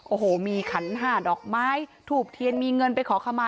โอ้โหมีขันห้าดอกไม้ถูกเทียนมีเงินไปขอขมา